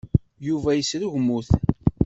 Yuba yesrugmut.